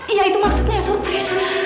iya itu maksudnya surprise